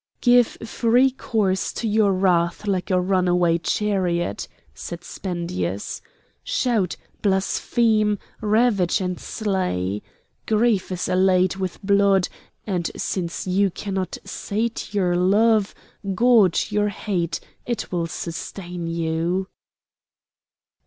"Give free course to your wrath like a runaway chariot," said Spendius. "Shout, blaspheme, ravage and slay. Grief is allayed with blood, and since you cannot sate your love, gorge your hate; it will sustain you!"